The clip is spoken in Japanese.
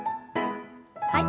はい。